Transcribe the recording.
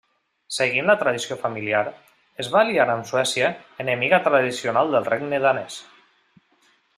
Seguint la tradició familiar, es va aliar amb Suècia, enemiga tradicional del regne danès.